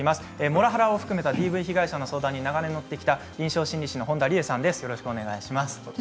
モラハラを含めたＤＶ被害者の相談に長年、乗ってきた臨床心理士の本田りえさんです。